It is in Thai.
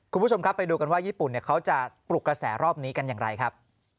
คุณผู้ชมครับไปดูกันว่าญี่ปุ่นเขาจะปลุกกระแสรอบนี้กันอย่างไรครับ